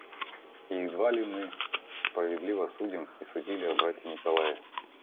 И едва ли мы справедливо судим и судили о брате Николае.